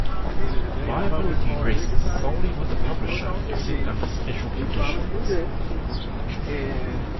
Liability rests solely with the publisher, except under special conditions.